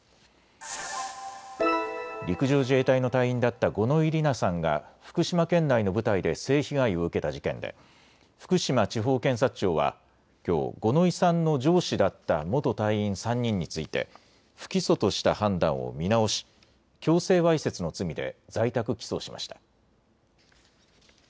陸上自衛隊の隊員だった五ノ井里奈さんが、福島県内の部隊で性被害を受けた事件で、福島地方検察庁は、きょう、五ノ井さんの上司だった元隊員３人について、不起訴とした判断を見直し、強制わいせつの罪で在宅起訴しました。